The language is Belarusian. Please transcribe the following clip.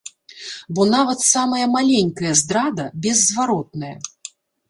Бо нават самая маленькая здрада беззваротная.